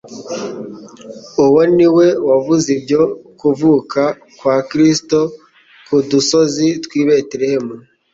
Uwo ni we wavuze ibyo kuvuka kwa Kristo ku dusozi tw'i Betelehemu.